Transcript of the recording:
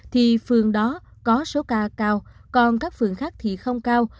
thì phường đó có số ca cao còn các phường khác thì không cao